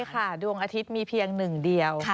ใช่ค่ะดวงอาทิตย์มีเพียงหนึ่งเดียว